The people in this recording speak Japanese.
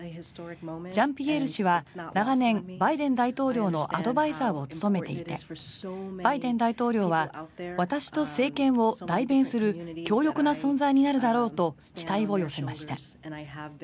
ジャンピエール氏は長年、バイデン大統領のアドバイザーを務めていてバイデン大統領は私と政権を代弁する強力な存在になるだろうと期待を寄せました。